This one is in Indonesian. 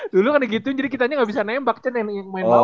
dulu kan gitu jadi kita aja gak bisa nembak kan yang main bawah kan